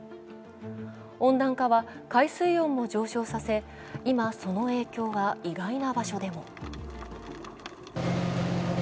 温暖化は海水温を上昇させ、今、その影響は意外な場所でも。